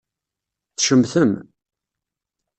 Tcemtem.